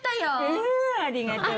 うんありがとう。